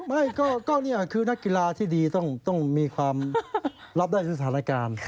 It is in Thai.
ไม่ก็นี่คือนักกีฬาที่ดีต้องมีความรับได้สถานการณ์